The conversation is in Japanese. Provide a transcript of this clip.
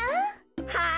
はい。